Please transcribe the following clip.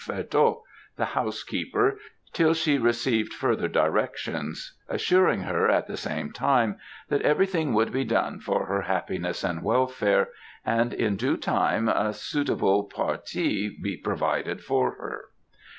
Vertot, the housekeeper, till she received further directions; assuring her, at the same time, that everything should be done for her happiness and welfare, and, in due time, a suitable parti be provided for her."